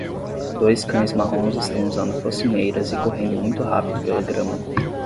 Dois cães marrons estão usando focinheiras e correndo muito rápido pela grama.